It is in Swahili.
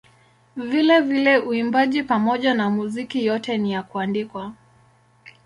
Vilevile uimbaji pamoja na muziki yote ni ya kuandikwa.